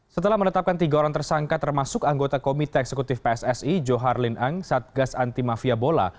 setelah menetapkan tiga orang tersangka termasuk anggota komite eksekutif pssi johar lin eng satgas anti mafia bola